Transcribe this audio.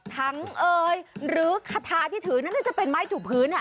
ทั้งหรือคาทาที่ถือนั่นอาจจะเป็นไมค์ถูกพื้น